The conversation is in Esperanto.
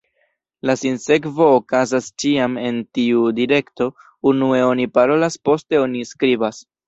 La sinsekvo okazas ĉiam en tiu direkto: unue oni parolas, poste oni skribas.